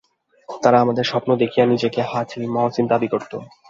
তারা আমাদের স্বপ্ন দেখিয়ে নিজেকে হাজী মহসিন দাবি করত।